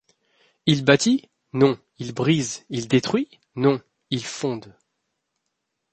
Il bâtit ? non, il brise ; il détruit ? non, il fonde.